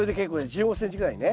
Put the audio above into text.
１５ｃｍぐらいね。